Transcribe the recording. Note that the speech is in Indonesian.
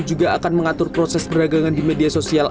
di media sosial dan juga mengatur proses perdagangan di media sosial